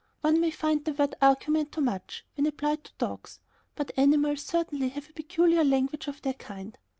One may find the word argument too much, when applied to dogs, but animals certainly have a peculiar language of their kind.